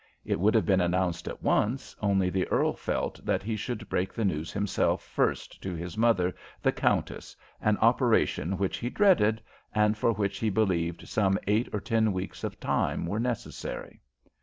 It would have been announced at once, only the earl felt that he should break the news himself first to his mother, the countess an operation which he dreaded, and for which he believed some eight or ten weeks of time were necessary.